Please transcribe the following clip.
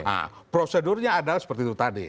nah prosedurnya adalah seperti itu tadi